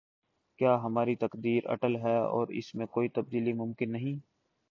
کیا ہماری تقدیر اٹل ہے اور اس میں کوئی تبدیلی ممکن نہیں؟